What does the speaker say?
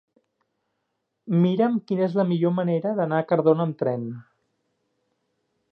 Mira'm quina és la millor manera d'anar a Cardona amb tren.